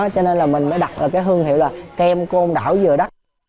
cho nên là mình mới đặt được cái hương hiệu là kem côn đảo dừa đất